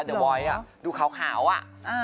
เดี๋ยววลอดอาดูเข่าอ่ะเฮือ